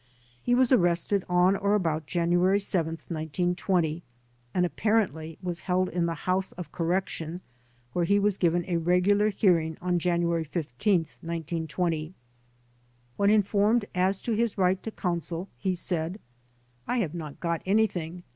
He was arrested on or about Jan uary 7, 1920, and apparently was held in the House of Correction, where he was given a regular hearing on January IS, 1920. When informed as to his right to counsel he said: ''I have not got ansrthing.